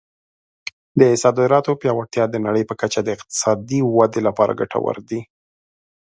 د صادراتو پیاوړتیا د نړۍ په کچه د اقتصادي ودې لپاره ګټور دی.